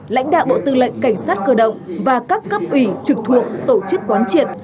lãnh đạo bộ tư lệnh cảnh sát cơ động và các cấp ủy trực thuộc tổ chức quán triệt